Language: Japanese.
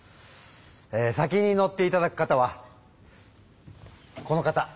え先に乗っていただく方はこの方。